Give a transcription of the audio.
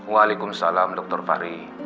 waalaikumsalam dr fahri